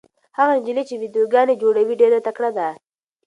هغه نجلۍ چې ویډیوګانې جوړوي ډېره تکړه ده.